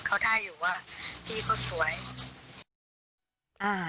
หน้าตาก็ไม่ได้ยิ้มแย้ม